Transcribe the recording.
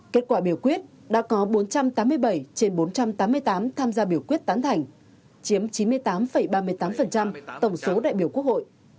kết quả biểu quyết đã có bốn trăm tám mươi bảy trên bốn trăm tám mươi tám tham gia biểu quyết tán thành chiếm chín mươi tám ba mươi tám tổng số đại biểu quốc hội